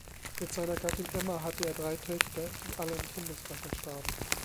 Mit seiner Gattin Emma hatte er drei Töchter, die alle im Kindesalter starben.